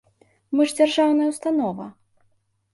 Мы ж дзяржаўная ўстанова!